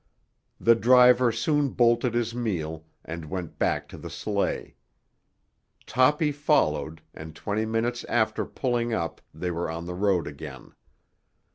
The driver soon bolted his meal and went back to the sleigh. Toppy followed, and twenty minutes after pulling up they were on the road again.